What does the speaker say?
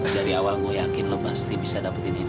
dari awal gw yakin lu pasti bisa dapetin ini